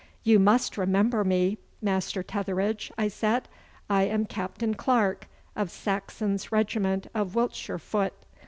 'You must remember me, Master Tetheridge,' I said. 'I am Captain Clarke, of Saxon's regiment of Wiltshire foot.